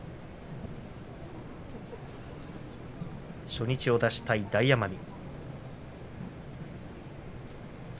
初日を出したい大奄美。